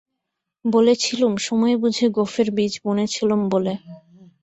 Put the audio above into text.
বলেছিলুম, সময় বুঝে গোঁফের বীজ বুনেছিলুম বলে।